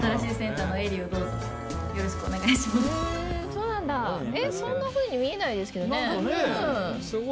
そんなふうに見えないですけどね。